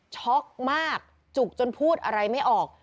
ช็อกมากจุกจนพูดอะไรไม่ออก